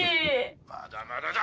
まだまだだ！